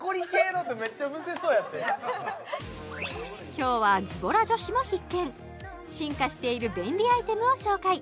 今日はズボラ女子も必見進化している便利アイテムを紹介